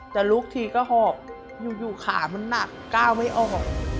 ลุกทีก็หอบอยู่ขามันหนักก้าวไม่ออก